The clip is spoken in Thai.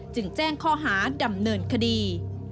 จึงแจ้งข้อหาดำเนินคดี